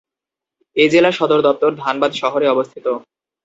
এই জেলার সদর দপ্তর ধানবাদ শহরে অবস্থিত।